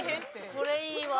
これいいわ。